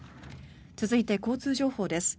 続いて交通情報です。